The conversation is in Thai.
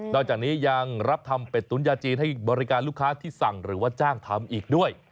จากนี้ยังรับทำเป็ดตุ๋นยาจีนให้บริการลูกค้าที่สั่งหรือว่าจ้างทำอีกด้วย